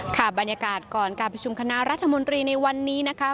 ค่ะบรรยากาศก่อนการประชุมคณะรัฐมนตรีในวันนี้นะคะ